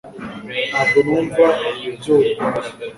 ntabwo numva ibyo ubwanjye